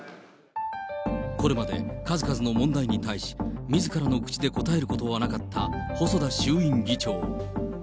これまで数々の問題に対し、みずからの口で答えることはなかった細田衆院議長。